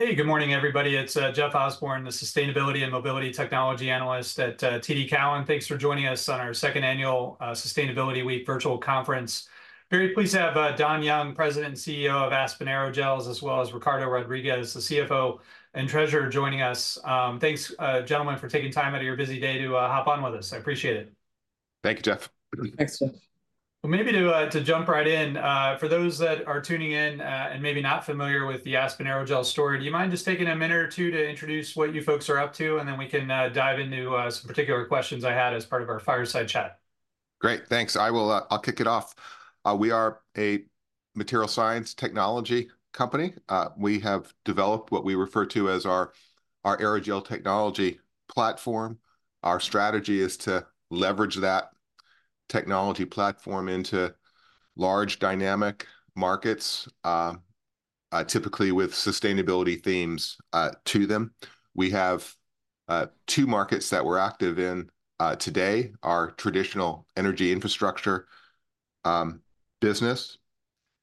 Hey, good morning, everybody. It's Jeff Osborne, the sustainability and mobility technology analyst at TD Cowen. Thanks for joining us on our second annual Sustainability Week virtual conference. Very pleased to have Don Young, president and CEO of Aspen Aerogels, as well as Ricardo Rodriguez, the CFO and treasurer joining us. Thanks, gentlemen, for taking time out of your busy day to hop on with us. I appreciate it. Thank you, Jeff. Thanks, Jeff. Well, maybe to, to jump right in, for those that are tuning in, and maybe not familiar with the Aspen Aerogels story, do you mind just taking a minute or two to introduce what you folks are up to? And then we can, dive into, some particular questions I had as part of our fireside chat. Great, thanks. I will, I'll kick it off. We are a material science technology company. We have developed what we refer to as our aerogel technology platform. Our strategy is to leverage that technology platform into large dynamic markets, typically with sustainability themes, to them. We have two markets that we're active in today, our traditional energy infrastructure business,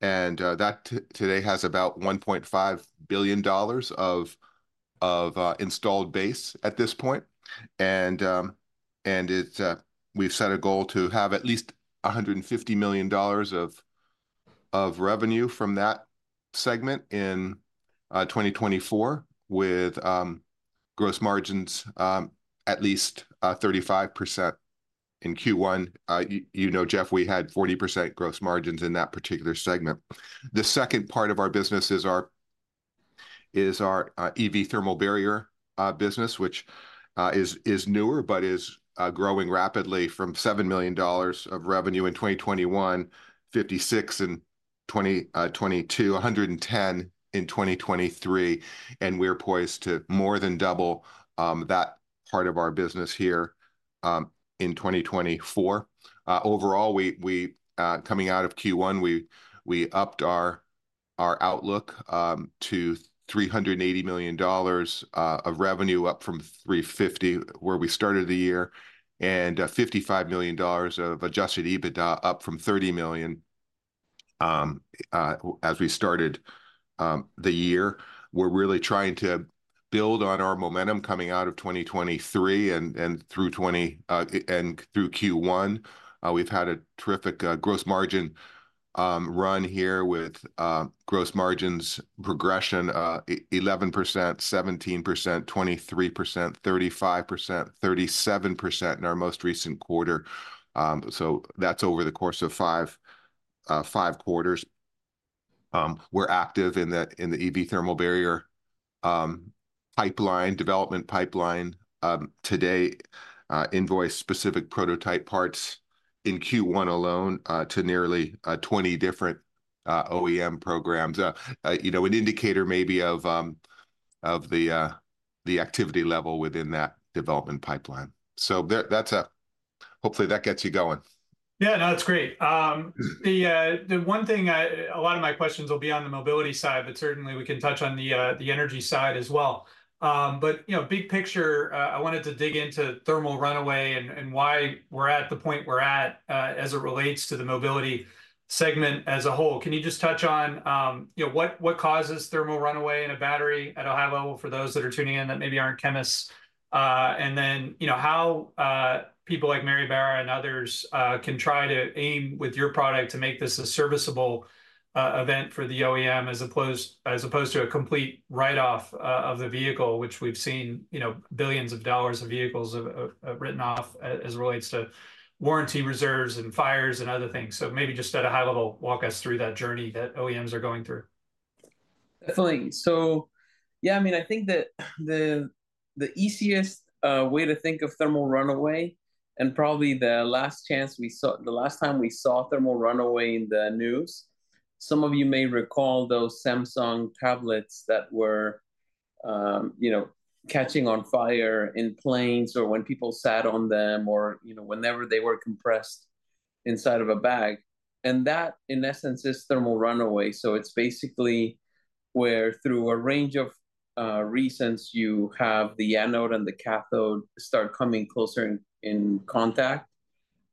and that today has about $1.5 billion of installed base at this point. We've set a goal to have at least $150 million of revenue from that segment in 2024, with gross margins at least 35% in Q1. You know, Jeff, we had 40% gross margins in that particular segment. The second part of our business is our EV thermal barrier business, which is newer but is growing rapidly from $7 million of revenue in 2021, $56 million in 2022, $110 million in 2023, and we're poised to more than double that part of our business here in 2024. Overall, coming out of Q1, we upped our outlook to $380 million of revenue, up from $350 million, where we started the year, and $55 million of Adjusted EBITDA, up from $30 million, as we started the year. We're really trying to build on our momentum coming out of 2023, and through Q1. We've had a terrific gross margin run here with gross margins progression 11%, 17%, 23%, 35%, 37% in our most recent quarter. So that's over the course of five quarters. We're active in the EV thermal barrier pipeline, development pipeline. Today, invoiced specific prototype parts in Q1 alone to nearly 20 different OEM programs. You know, an indicator maybe of the activity level within that development pipeline. So that's hopefully that gets you going. Yeah, no, that's great. Mm... the one thing I, a lot of my questions will be on the mobility side, but certainly we can touch on the energy side as well. But, you know, big picture, I wanted to dig into thermal runaway and why we're at the point we're at, as it relates to the mobility segment as a whole. Can you just touch on, you know, what causes thermal runaway in a battery at a high level for those that are tuning in that maybe aren't chemists? And then, you know, how people like Mary Barra and others can try to aim with your product to make this a serviceable event for the OEM, as opposed to a complete write-off of the vehicle, which we've seen, you know, billions of dollars of vehicles have written off as it relates to warranty reserves and fires and other things. So maybe just at a high level, walk us through that journey that OEMs are going through. Definitely. So yeah, I mean, I think the easiest way to think of thermal runaway, and probably the last time we saw thermal runaway in the news, some of you may recall those Samsung tablets that were, you know, catching on fire in planes, or when people sat on them, or, you know, whenever they were compressed inside of a bag. And that, in essence, is thermal runaway. So it's basically where through a range of reasons, you have the anode and the cathode start coming closer in contact,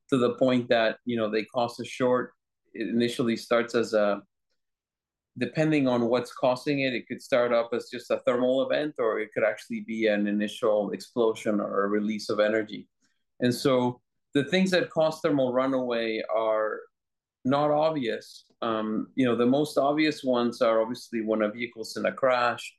to the point that, you know, they cause a short. It initially starts as a... Depending on what's causing it, it could start off as just a thermal event, or it could actually be an initial explosion or a release of energy. The things that cause thermal runaway are not obvious. You know, the most obvious ones are obviously when a vehicle's in a crash,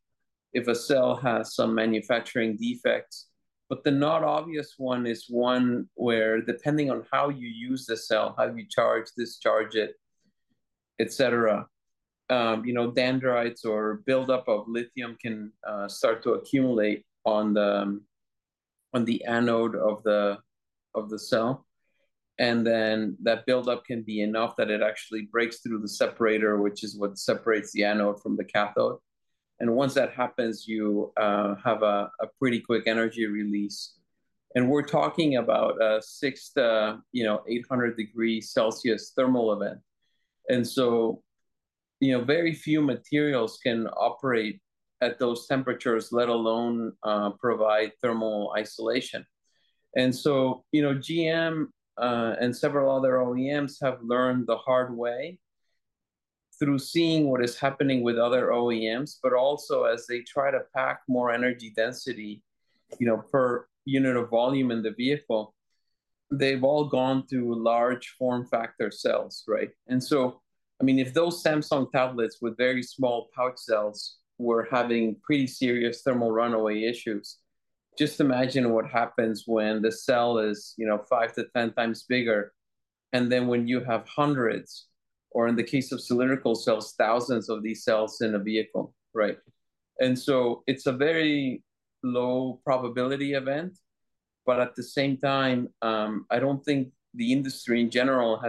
if a cell has some manufacturing defects. But the not obvious one is one where, depending on how you use the cell, how you charge, discharge it, et cetera, you know, dendrites or build-up of lithium can start to accumulate on the anode of the cell. And then that build-up can be enough that it actually breaks through the separator, which is what separates the anode from the cathode. And once that happens, you have a pretty quick energy release. And we're talking about 6-800 degrees Celsius thermal event. And so, you know, very few materials can operate at those temperatures, let alone provide thermal isolation... And so, you know, GM and several other OEMs have learned the hard way through seeing what is happening with other OEMs, but also as they try to pack more energy density, you know, per unit of volume in the vehicle, they've all gone to large form factor cells, right? And so, I mean, if those Samsung tablets with very small pouch cells were having pretty serious thermal runaway issues, just imagine what happens when the cell is, you know, 5-10 times bigger, and then when you have hundreds, or in the case of cylindrical cells, thousands of these cells in a vehicle, right? And so it's a very low probability event, but at the same time, I don't think the industry in general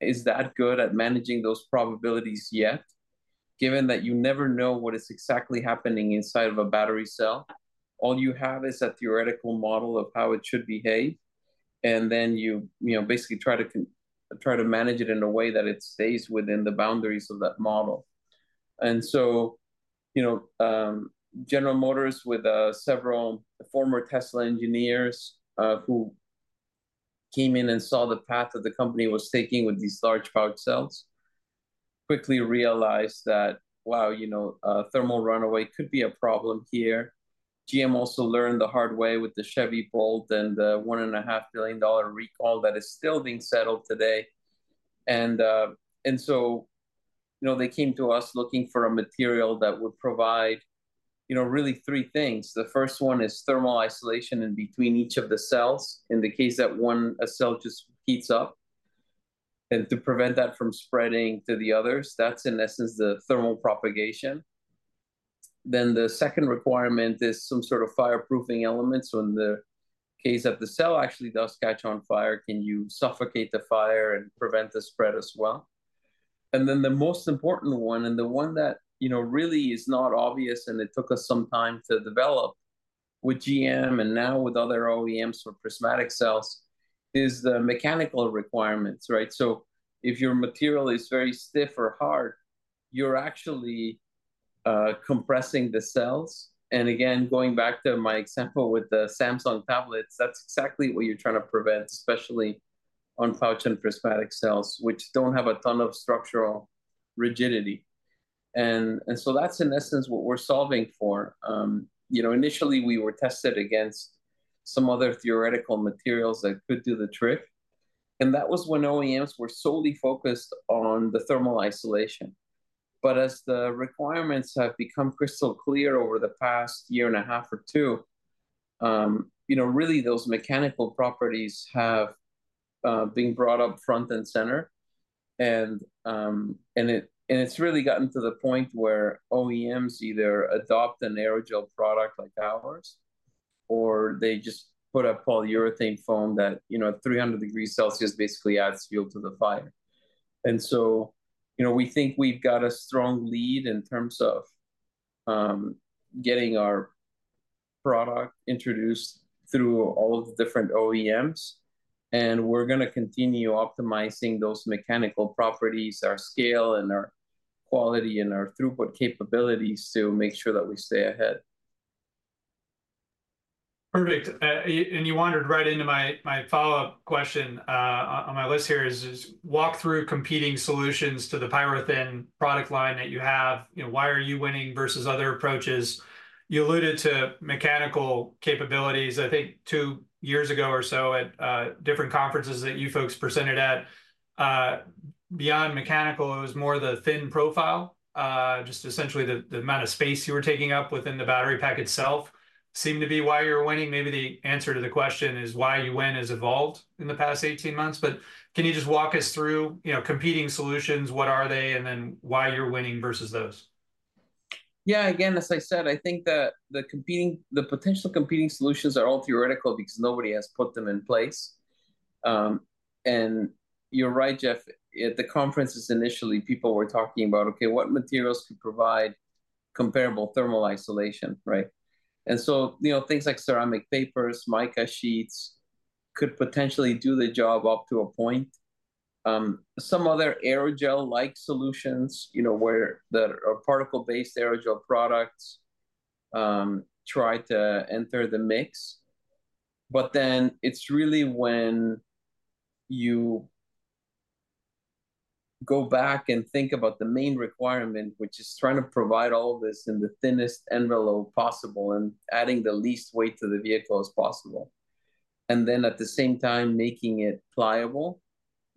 is that good at managing those probabilities yet, given that you never know what is exactly happening inside of a battery cell. All you have is a theoretical model of how it should behave, and then you, you know, basically try to manage it in a way that it stays within the boundaries of that model. And so, you know, General Motors with several former Tesla engineers who came in and saw the path that the company was taking with these large pouch cells, quickly realized that, wow, you know, thermal runaway could be a problem here. GM also learned the hard way with the Chevrolet Bolt and the $1.5 billion recall that is still being settled today. So, you know, they came to us looking for a material that would provide, you know, really three things. The first one is thermal isolation in between each of the cells, in the case that one, a cell just heats up, and to prevent that from spreading to the others. That's, in essence, the thermal propagation. Then the second requirement is some sort of fireproofing elements. So in the case that the cell actually does catch on fire, can you suffocate the fire and prevent the spread as well? And then the most important one, and the one that, you know, really is not obvious and it took us some time to develop with GM and now with other OEMs for prismatic cells, is the mechanical requirements, right? So if your material is very stiff or hard, you're actually compressing the cells. And again, going back to my example with the Samsung tablets, that's exactly what you're trying to prevent, especially on pouch and prismatic cells, which don't have a ton of structural rigidity. And so that's in essence what we're solving for. You know, initially we were tested against some other theoretical materials that could do the trick, and that was when OEMs were solely focused on the thermal isolation. But as the requirements have become crystal clear over the past year and a half or two, you know, really those mechanical properties have been brought up front and center. And it's really gotten to the point where OEMs either adopt an aerogel product like ours, or they just put a polyurethane foam that, you know, at 300 degrees Celsius, basically adds fuel to the fire. You know, we think we've got a strong lead in terms of getting our product introduced through all of the different OEMs, and we're gonna continue optimizing those mechanical properties, our scale, and our quality, and our throughput capabilities to make sure that we stay ahead. Perfect. And you wandered right into my follow-up question. On my list here is walk through competing solutions to the PyroThin product line that you have. You know, why are you winning versus other approaches? You alluded to mechanical capabilities, I think two years ago or so at different conferences that you folks presented at. Beyond mechanical, it was more the thin profile, just essentially the amount of space you were taking up within the battery pack itself seemed to be why you're winning. Maybe the answer to the question is why you win has evolved in the past 18 months, but can you just walk us through, you know, competing solutions, what are they, and then why you're winning versus those? Yeah, again, as I said, I think that the potential competing solutions are all theoretical because nobody has put them in place. You're right, Jeff, at the conferences, initially, people were talking about, okay, what materials could provide comparable thermal isolation, right? So, you know, things like ceramic papers, mica sheets, could potentially do the job up to a point. Some other aerogel-like solutions, you know, where there are particle-based aerogel products, try to enter the mix. But then it's really when you go back and think about the main requirement, which is trying to provide all of this in the thinnest envelope possible and adding the least weight to the vehicle as possible, and then at the same time making it pliable,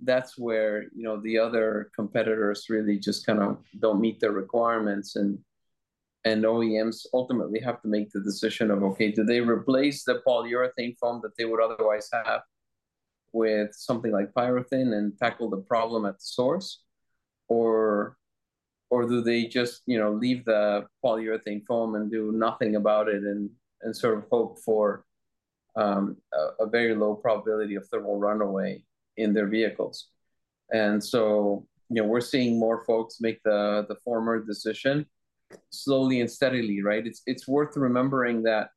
that's where, you know, the other competitors really just kind of don't meet the requirements. And, and OEMs ultimately have to make the decision of, okay, do they replace the polyurethane foam that they would otherwise have with something like PyroThin and tackle the problem at the source, or, or do they just, you know, leave the polyurethane foam and do nothing about it, and, and sort of hope for, a, a very low probability of thermal runaway in their vehicles? And so, you know, we're seeing more folks make the, the former decision slowly and steadily, right? It's, it's worth remembering that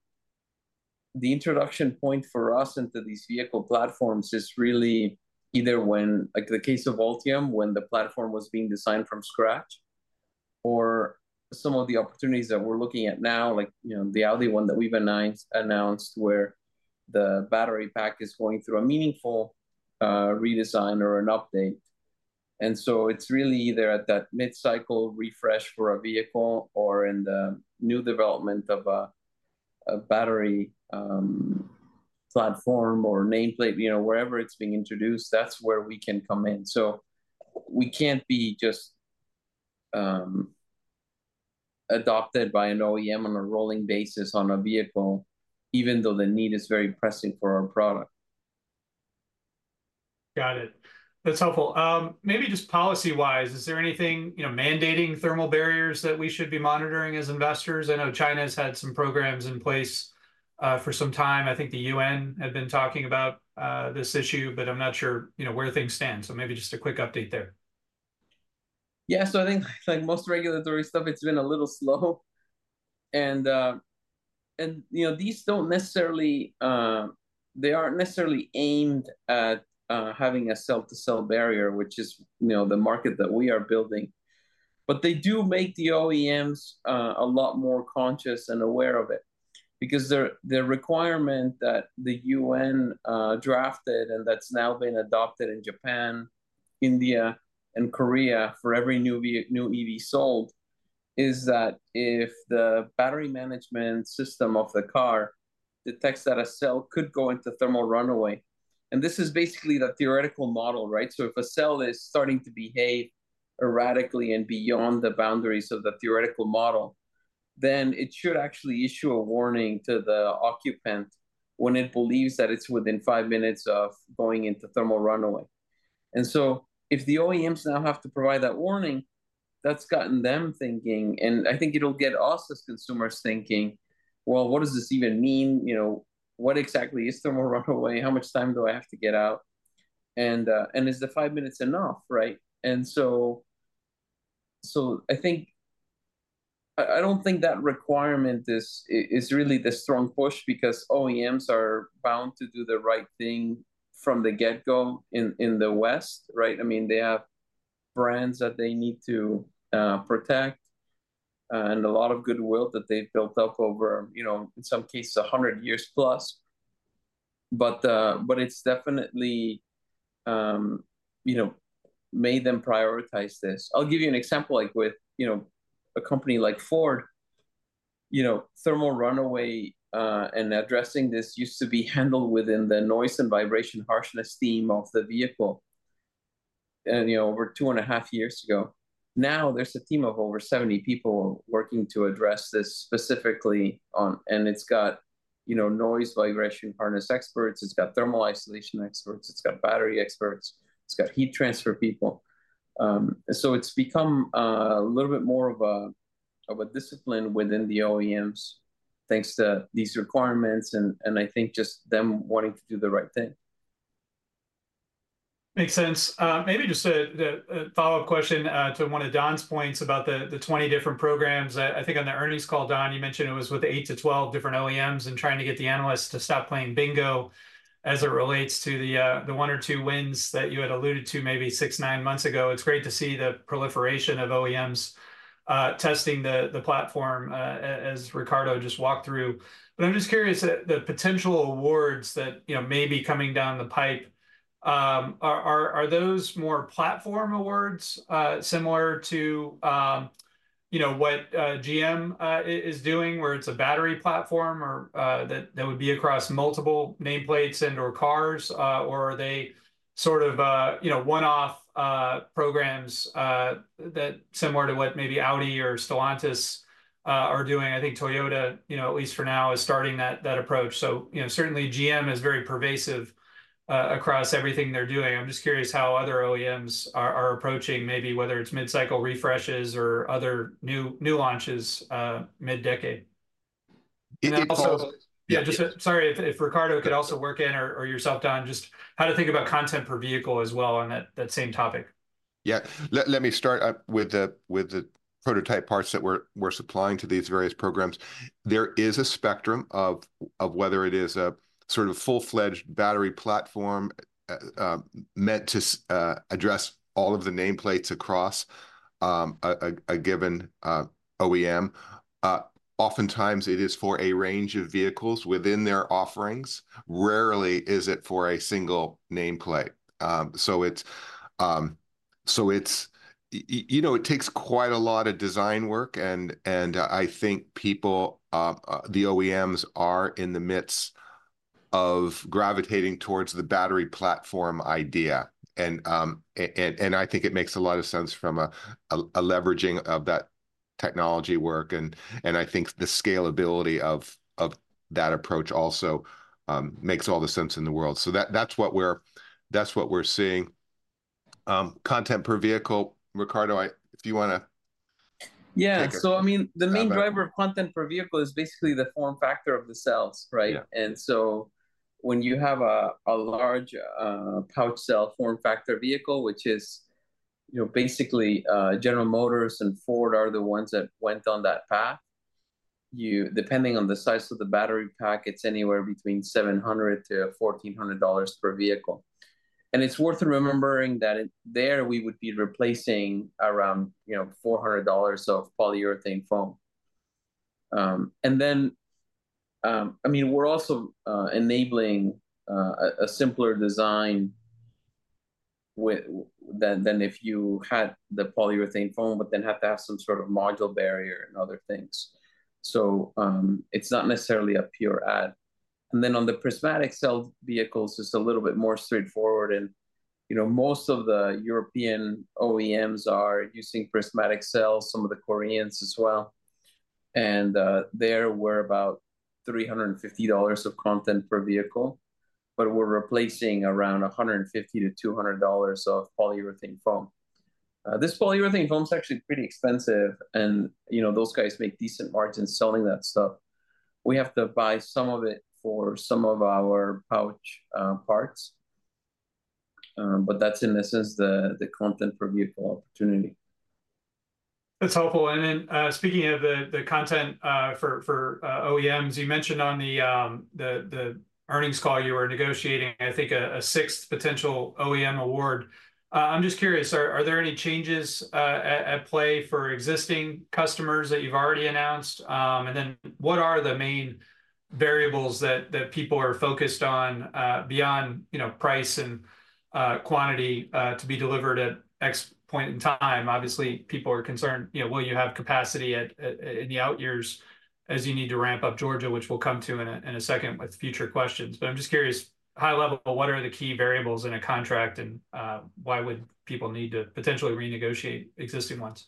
the introduction point for us into these vehicle platforms is really either when, like the case of Ultium, when the platform was being designed from scratch, or some of the opportunities that we're looking at now, like, you know, the Audi one that we've announced, where the battery pack is going through a meaningful redesign or an update. And so it's really either at that mid-cycle refresh for a vehicle or in the new development of a battery platform or nameplate. You know, wherever it's being introduced, that's where we can come in. So we can't be just adopted by an OEM on a rolling basis on a vehicle, even though the need is very pressing for our product. Got it. That's helpful. Maybe just policy-wise, is there anything, you know, mandating thermal barriers that we should be monitoring as investors? I know China's had some programs in place, for some time. I think the UN had been talking about, this issue, but I'm not sure, you know, where things stand, so maybe just a quick update there. Yeah, so I think, like most regulatory stuff, it's been a little slow. And, you know, these don't necessarily they aren't necessarily aimed at having a cell-to-cell barrier, which is, you know, the market that we are building. But they do make the OEMs a lot more conscious and aware of it, because the requirement that the UN drafted and that's now been adopted in Japan, India, and Korea for every new EV sold, is that if the battery management system of the car detects that a cell could go into thermal runaway. And this is basically the theoretical model, right? So if a cell is starting to behave erratically and beyond the boundaries of the theoretical model, then it should actually issue a warning to the occupant when it believes that it's within five minutes of going into thermal runaway. And so, if the OEMs now have to provide that warning, that's gotten them thinking, and I think it'll get us as consumers thinking, "Well, what does this even mean? You know, what exactly is thermal runaway? How much time do I have to get out? And is the five minutes enough, right?" So I think I don't think that requirement is really the strong push because OEMs are bound to do the right thing from the get-go in the West, right? I mean, they have brands that they need to protect, and a lot of goodwill that they've built up over, you know, in some cases 100 years plus. But it's definitely, you know, made them prioritize this. I'll give you an example, like with, you know, a company like Ford, you know, thermal runaway, and addressing this used to be handled within the noise, vibration, and harshness team of the vehicle, and, you know, over 2.5 years ago. Now there's a team of over 70 people working to address this specifically on... And it's got, you know, noise, vibration, and harshness experts, it's got thermal isolation experts, it's got battery experts, it's got heat transfer people. So it's become a little bit more of a discipline within the OEMs, thanks to these requirements and I think just them wanting to do the right thing. Makes sense. Maybe just a follow-up question to one of Don's points about the 20 different programs. I think on the earnings call, Don, you mentioned it was with 8-12 different OEMs and trying to get the analysts to stop playing bingo as it relates to the one or two wins that you had alluded to maybe 6-9 months ago. It's great to see the proliferation of OEMs testing the platform as Ricardo just walked through. But I'm just curious, the potential awards that, you know, may be coming down the pipe, are those more platform awards similar to, you know, what GM is doing, where it's a battery platform or that would be across multiple nameplates and/or cars? Or are they sort of, you know, one-off, programs, that similar to what maybe Audi or Stellantis, are doing? I think Toyota, you know, at least for now, is starting that, that approach. So, you know, certainly GM is very pervasive, across everything they're doing. I'm just curious how other OEMs are, are approaching, maybe whether it's mid-cycle refreshes or other new, new launches, mid-decade. And also- Yeah, just... Sorry, if Ricardo could also work in, or yourself, Don, just how to think about content per vehicle as well on that same topic. Yeah. Let me start with the prototype parts that we're supplying to these various programs. There is a spectrum of whether it is a sort of full-fledged battery platform meant to address all of the nameplates across a given OEM. Oftentimes it is for a range of vehicles within their offerings. Rarely is it for a single nameplate. So it's... You know, it takes quite a lot of design work, and I think people, the OEMs are in the midst of gravitating towards the battery platform idea. I think it makes a lot of sense from a leveraging of that technology work, and I think the scalability of that approach also makes all the sense in the world. So that's what we're seeing. Content per vehicle, Ricardo, if you wanna- Yeah. Take a- So, I mean- Yeah... The main driver of content per vehicle is basically the form factor of the cells, right? Yeah. And so when you have a large pouch cell form factor vehicle, which is, you know, basically, General Motors and Ford are the ones that went on that path—you, depending on the size of the battery pack, it's anywhere between $700-$1,400 per vehicle. And it's worth remembering that there we would be replacing around, you know, $400 of polyurethane foam. And then, I mean, we're also enabling a simpler design than if you had the polyurethane foam, but then have to have some sort of module barrier and other things. So, it's not necessarily a pure add. And then on the prismatic cell vehicles, it's a little bit more straightforward and, you know, most of the European OEMs are using prismatic cells, some of the Koreans as well. And, there we're about $350 of content per vehicle, but we're replacing around $150-$200 of polyurethane foam. This polyurethane foam's actually pretty expensive, and, you know, those guys make decent margins selling that stuff. We have to buy some of it for some of our pouch parts. But that's, in a sense, the content per vehicle opportunity. That's helpful. And then, speaking of the content for OEMs, you mentioned on the earnings call you were negotiating, I think, a sixth potential OEM award. I'm just curious, are there any changes at play for existing customers that you've already announced? And then what are the main variables that people are focused on, beyond, you know, price and quantity to be delivered at X point in time? Obviously, people are concerned, you know, will you have capacity in the out years as you need to ramp up Georgia, which we'll come to in a second with future questions. But I'm just curious, high level, what are the key variables in a contract, and why would people need to potentially renegotiate existing ones?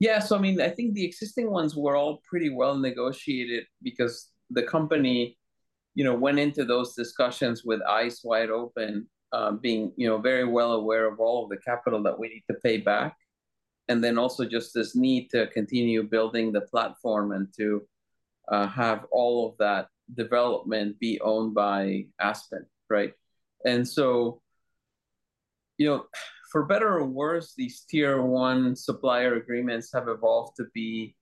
Yeah, so I mean, I think the existing ones were all pretty well negotiated because the company, you know, went into those discussions with eyes wide open, being, you know, very well aware of all of the capital that we need to pay back, and then also just this need to continue building the platform and to, have all of that development be owned by Aspen, right? And so, you know, for better or worse, these tier one supplier agreements have evolved to be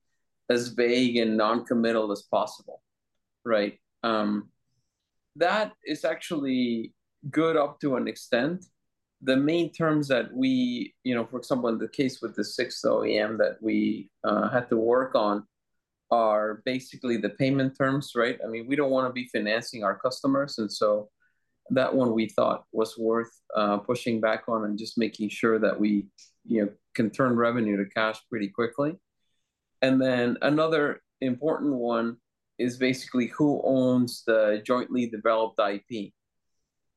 as vague and non-committal as possible, right? That is actually good up to an extent. The main terms that we... You know, for example, in the case with the sixth OEM that we had to work on, are basically the payment terms, right? I mean, we don't wanna be financing our customers, and so that one we thought was worth pushing back on and just making sure that we, you know, can turn revenue to cash pretty quickly. And then another important one is basically who owns the jointly developed IP.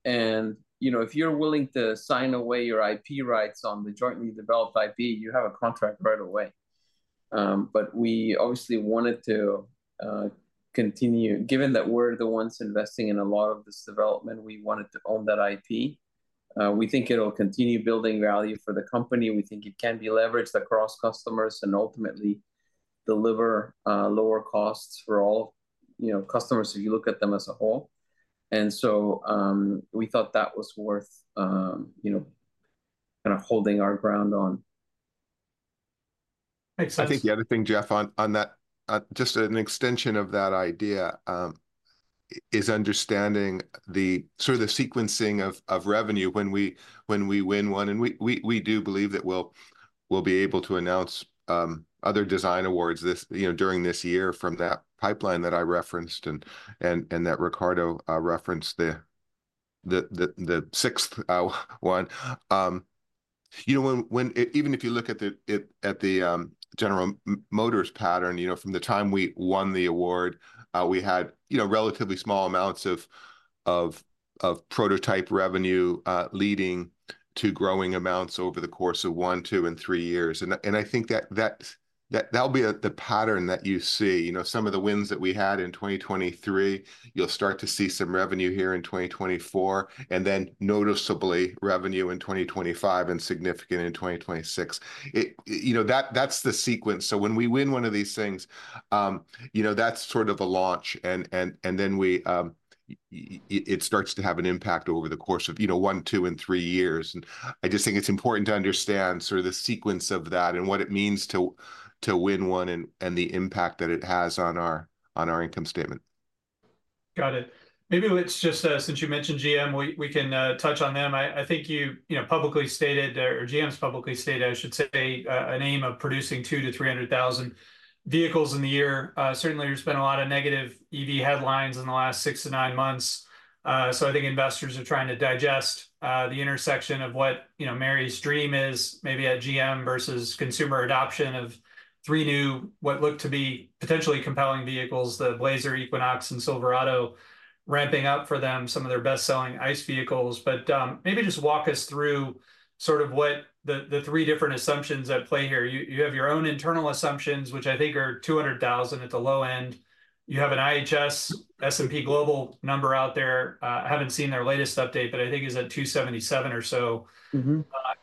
And, you know, if you're willing to sign away your IP rights on the jointly developed IP, you have a contract right away. But we obviously wanted to continue given that we're the ones investing in a lot of this development, we wanted to own that IP. We think it'll continue building value for the company, and we think it can be leveraged across customers, and ultimately deliver lower costs for all, you know, customers if you look at them as a whole. We thought that was worth, you know, kind of holding our ground on. Makes sense. I think the other thing, Jeff, on that, just an extension of that idea, is understanding the sort of sequencing of revenue when we win one. And we do believe that we'll be able to announce other design awards this, you know, during this year from that pipeline that I referenced and that Ricardo referenced, the sixth one. You know, when even if you look at the General Motors pattern, you know, from the time we won the award, we had, you know, relatively small amounts of prototype revenue leading to growing amounts over the course of one, two, and three years. I think that that'll be the pattern that you see. You know, some of the wins that we had in 2023, you'll start to see some revenue here in 2024, and then noticeably revenue in 2025, and significant in 2026. You know, that's the sequence. So when we win one of these things, you know, that's sort of the launch. And then we, it starts to have an impact over the course of, you know, one, two, and three years. And I just think it's important to understand sort of the sequence of that and what it means to win one, and the impact that it has on our income statement. Got it. Maybe let's just, since you mentioned GM, we can touch on them. I think you know, publicly stated, or GM's publicly stated, I should say, an aim of producing 200,000-300,000 vehicles in the year. Certainly there's been a lot of negative EV headlines in the last 6-9 months. So I think investors are trying to digest the intersection of what, you know, Mary's dream is, maybe at GM, versus consumer adoption of three new, what look to be potentially compelling vehicles, the Blazer, Equinox, and Silverado, ramping up for them some of their best-selling ICE vehicles. But maybe just walk us through sort of what the three different assumptions at play here. You have your own internal assumptions, which I think are 200,000 at the low end. You have an IHS S&P Global number out there. I haven't seen their latest update, but I think it's at 277 or so. Mm-hmm.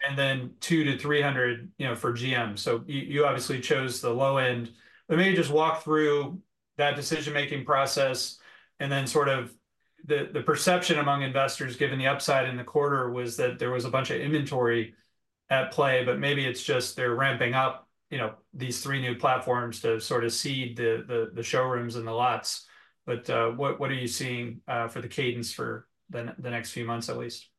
And then 2-300, you know, for GM. So you, you obviously chose the low end. But maybe just walk through-... that decision-making process, and then sort of the perception among investors, given the upside in the quarter, was that there was a bunch of inventory at play. But maybe it's just they're ramping up, you know, these three new platforms to sort of seed the showrooms and the lots. But what are you seeing for the cadence for the next few months, at least?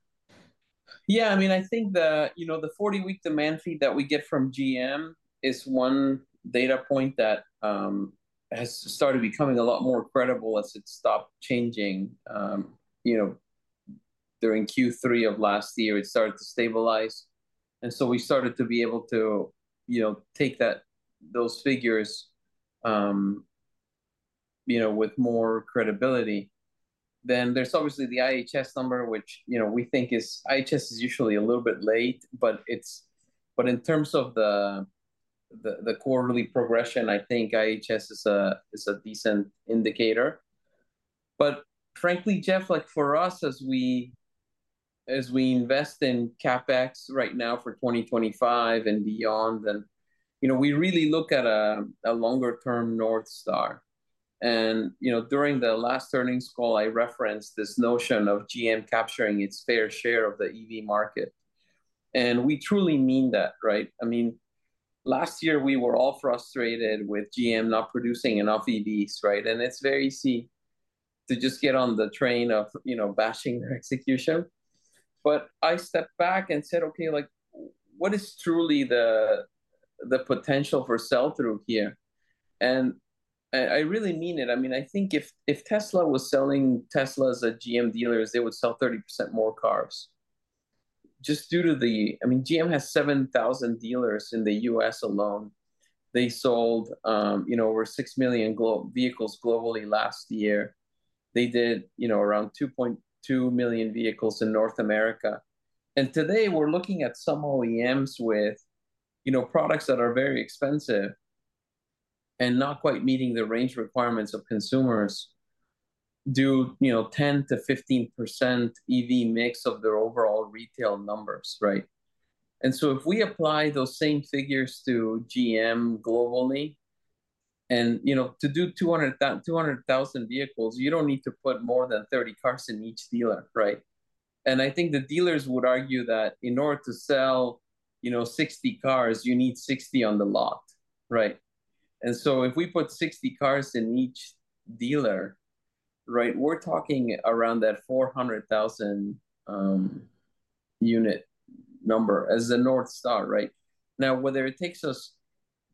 Yeah, I mean, I think the, you know, the 40-week demand feed that we get from GM is one data point that has started becoming a lot more credible as it stopped changing. You know, during Q3 of last year, it started to stabilize, and so we started to be able to, you know, take those figures with more credibility. Then there's obviously the IHS number, which, you know, we think is... IHS is usually a little bit late, but it's - but in terms of the quarterly progression, I think IHS is a decent indicator. But frankly, Jeff, like, for us, as we invest in CapEx right now for 2025 and beyond, then, you know, we really look at a longer-term North Star. You know, during the last earnings call, I referenced this notion of GM capturing its fair share of the EV market, and we truly mean that, right? I mean, last year we were all frustrated with GM not producing enough EVs, right? It's very easy to just get on the train of, you know, bashing their execution. But I stepped back and said, "Okay, like, what is truly the potential for sell-through here?" And I really mean it. I mean, I think if Tesla was selling Teslas at GM dealers, they would sell 30% more cars, just due to the, I mean, GM has 7,000 dealers in the U.S. alone. They sold, you know, over 6 million vehicles globally last year. They did, you know, around 2.2 million vehicles in North America. Today we're looking at some OEMs with, you know, products that are very expensive and not quite meeting the range requirements of consumers do, you know, 10%-15% EV mix of their overall retail numbers, right? And so if we apply those same figures to GM globally, and, you know, to do 200,000-200,000 vehicles, you don't need to put more than 30 cars in each dealer, right? And I think the dealers would argue that in order to sell, you know, 60 cars, you need 60 on the lot, right? And so if we put 60 cars in each dealer, right, we're talking around that 400,000 unit number as the North Star, right? Now, whether it takes us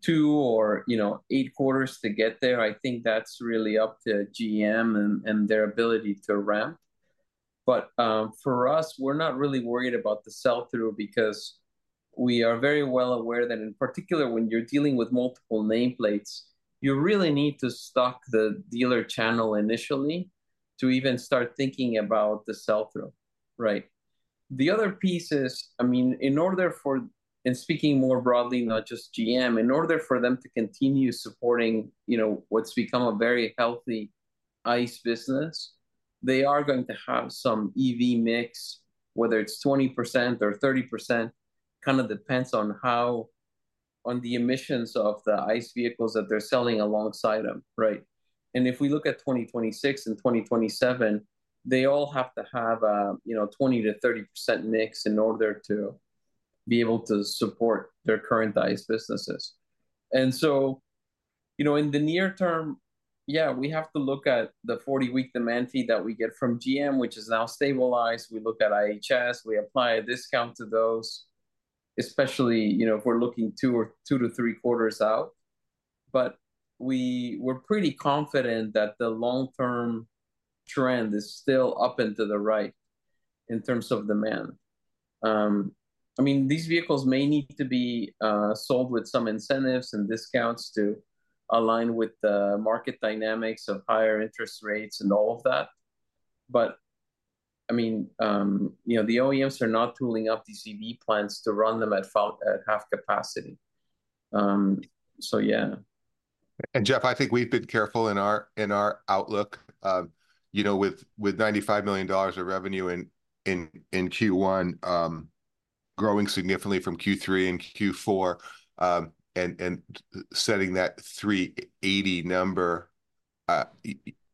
2 or, you know, 8 quarters to get there, I think that's really up to GM and their ability to ramp. But, for us, we're not really worried about the sell-through because we are very well aware that, in particular, when you're dealing with multiple nameplates, you really need to stock the dealer channel initially to even start thinking about the sell-through, right? The other piece is, I mean, in order for, and speaking more broadly, not just GM, in order for them to continue supporting, you know, what's become a very healthy ICE business, they are going to have some EV mix. Whether it's 20% or 30% kind of depends on how on the emissions of the ICE vehicles that they're selling alongside them, right? And if we look at 2026 and 2027, they all have to have a, you know, 20%-30% mix in order to be able to support their current ICE businesses. So, you know, in the near term, yeah, we have to look at the 40-week demand feed that we get from GM, which is now stabilized. We look at IHS, we apply a discount to those, especially, you know, if we're looking two or three quarters out. But we're pretty confident that the long-term trend is still up and to the right in terms of demand. I mean, these vehicles may need to be sold with some incentives and discounts to align with the market dynamics of higher interest rates and all of that. But I mean, you know, the OEMs are not tooling up these EV plans to run them at half capacity. So yeah. And Jeff, I think we've been careful in our outlook. You know, with $95 million of revenue in Q1, growing significantly from Q3 and Q4, and setting that 380 number.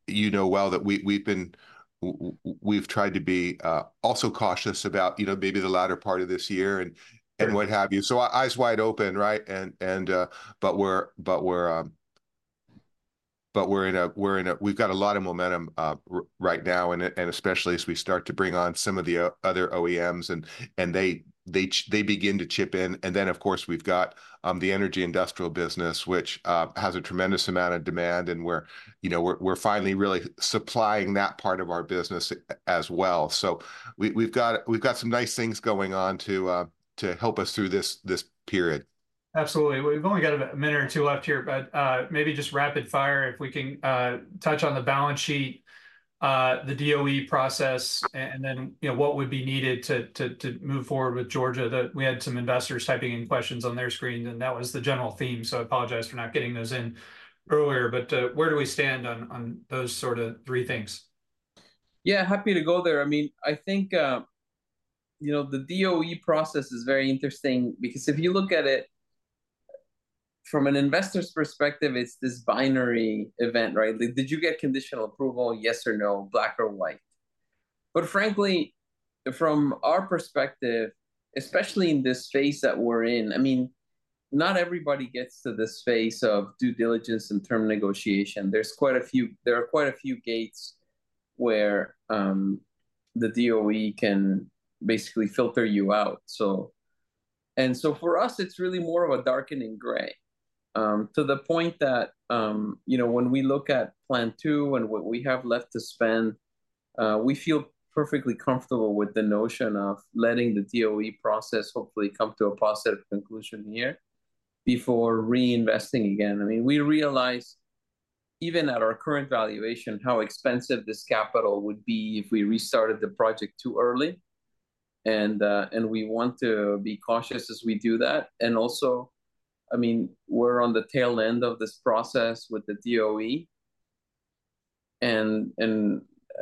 You know, well that we've tried to be also cautious about, you know, maybe the latter part of this year and- Right... and what have you. So our eyes wide open, right? But we're in a—we've got a lot of momentum right now, and especially as we start to bring on some of the other OEMs and they begin to chip in. And then, of course, we've got the energy industrial business, which has a tremendous amount of demand, and we're—you know, we're finally really supplying that part of our business as well. So we've got some nice things going on to help us through this period. Absolutely. We've only got a minute or two left here, but, maybe just rapid fire, if we can, touch on the balance sheet, the DOE process, and then, you know, what would be needed to move forward with Georgia. That we had some investors typing in questions on their screens, and that was the general theme, so I apologize for not getting those in earlier. But, where do we stand on those sort of three things? Yeah, happy to go there. I mean, I think, you know, the DOE process is very interesting, because if you look at it from an investor's perspective, it's this binary event, right? Did you get conditional approval, yes or no, black or white? But frankly, from our perspective, especially in this phase that we're in, I mean, not everybody gets to this phase of due diligence and term negotiation. There are quite a few gates where, the DOE can basically filter you out, so. And so for us, it's really more of a darkening gray, to the point that, you know, when we look at Plant 2 and what we have left to spend, we feel perfectly comfortable with the notion of letting the DOE process hopefully come to a positive conclusion here before reinvesting again. I mean, we realize, even at our current valuation, how expensive this capital would be if we restarted the project too early, and we want to be cautious as we do that. And also, I mean, we're on the tail end of this process with the DOE, and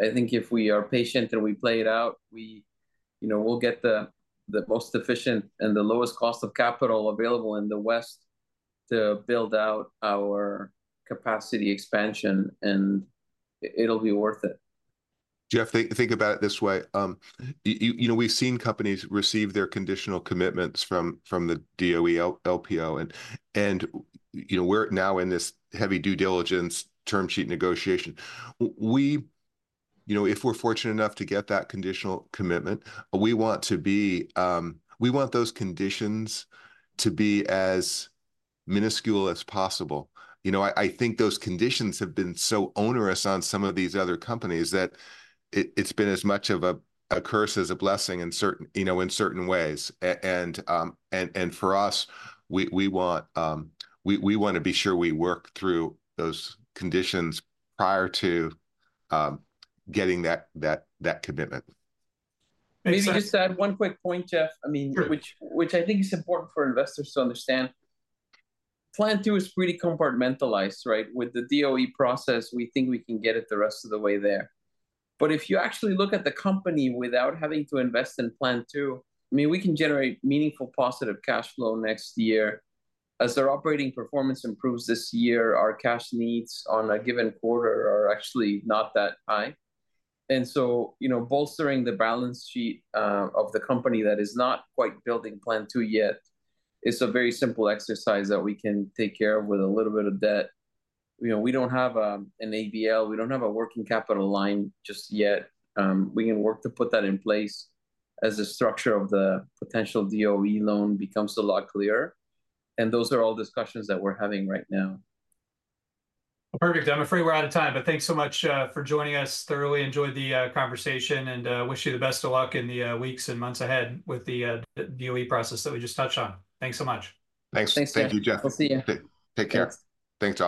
I think if we are patient and we play it out, we, you know, we'll get the most efficient and the lowest cost of capital available in the West to build out our capacity expansion, and it'll be worth it. Jeff, think about it this way, you know, we've seen companies receive their conditional commitments from the DOE LPO, and, you know, we're now in this heavy due diligence term sheet negotiation. We, you know, if we're fortunate enough to get that conditional commitment, we want to be, we want those conditions to be as minuscule as possible. You know, I think those conditions have been so onerous on some of these other companies that it's been as much of a curse as a blessing in certain, you know, in certain ways. And for us, we want, we wanna be sure we work through those conditions prior to getting that commitment. Maybe just add one quick point, Jeff, I mean- Sure... which I think is important for investors to understand. Plant 2 is pretty compartmentalized, right? With the DOE process, we think we can get it the rest of the way there. But if you actually look at the company without having to invest in Plant 2, I mean, we can generate meaningful positive cash flow next year. As our operating performance improves this year, our cash needs on a given quarter are actually not that high. And so, you know, bolstering the balance sheet of the company that is not quite building Plant 2 yet, it's a very simple exercise that we can take care of with a little bit of debt. You know, we don't have an ABL, we don't have a working capital line just yet. We can work to put that in place as the structure of the potential DOE loan becomes a lot clearer, and those are all discussions that we're having right now. Perfect. I'm afraid we're out of time, but thanks so much for joining us. Thoroughly enjoyed the conversation, and wish you the best of luck in the weeks and months ahead with the DOE process that we just touched on. Thanks so much. Thanks. Thanks. Thank you, Jeff. We'll see you. Take care. Thanks, y'all.